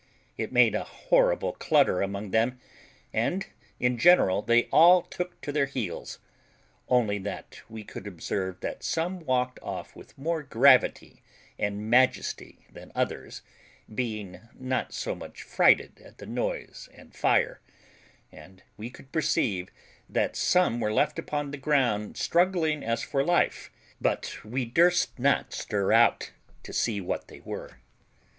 It made a horrible clutter among them, and in general they all took to their heels, only that we could observe that some walked off with more gravity and majesty than others, being not so much frighted at the noise and fire; and we could perceive that some were left upon the ground struggling as for life, but we durst not stir out to see what they were.